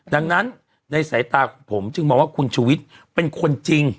ดังนั้นในสายตาของผมจึงมองว่าคุณชุวิตเป็นคนจริง